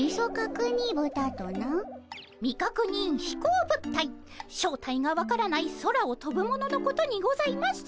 未確認飛行物体正体が分からない空をとぶもののことにございます。